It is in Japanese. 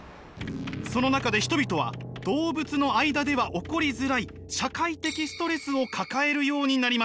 その中で人々は動物の間では起こりづらい社会的ストレスを抱えるようになりました。